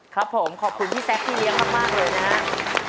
ครับผมขอบคุณพี่แซคพี่เลี้ยงมากเลยนะครับ